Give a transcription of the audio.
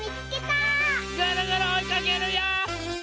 ぐるぐるおいかけるよ！